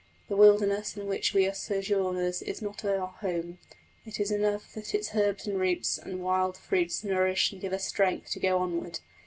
The wilderness in which we are sojourners is not our home; it is enough that its herbs and roots and wild fruits nourish and give us strength to go onward.